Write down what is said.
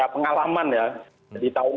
pengalaman ya di tahun